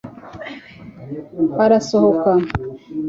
arasohoka